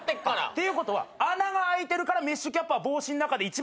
っていうことは穴が開いてるからメッシュキャップは帽子の中で一番下ってこと？